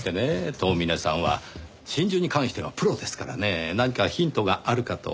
遠峰さんは真珠に関してはプロですからね何かヒントがあるかと。